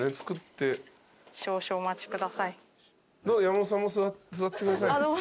山本さんも座ってください。